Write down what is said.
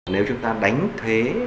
nếu chúng ta đánh thuế